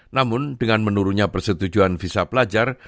namun dengan menurunnya persetujuan visa pelajar